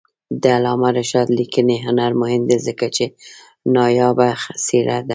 د علامه رشاد لیکنی هنر مهم دی ځکه چې نایابه څېره ده.